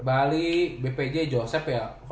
bali bpj joseph ya